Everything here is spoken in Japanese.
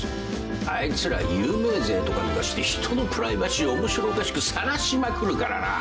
あいつら有名税とか抜かして人のプライバシーを面白おかしくさらしまくるからな。